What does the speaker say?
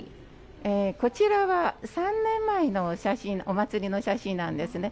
こちらは３年前のお祭りの写真なんですね。